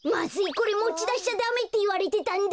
これもちだしちゃダメっていわれてたんだ。